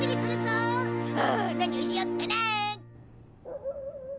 あ何をしよっかな。